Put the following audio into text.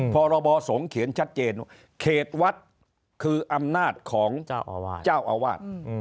พรบสงฆ์เขียนชัดเจนว่าเขตวัดคืออำนาจของเจ้าอาวาส